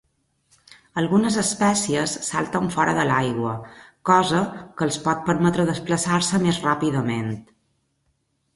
Algunes espècies salten fora de l'aigua, cosa que els pot permetre desplaçar-se més ràpidament.